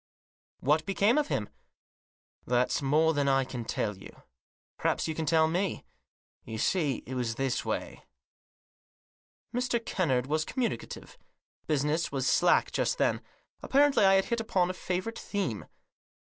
" But what became of him ?"" That's more than I can tell you. Perhaps you can tell me. You see, it was this way." Mr. Kennard was communicative. Business was slack just then. Apparently I had hit upon a favourite theme.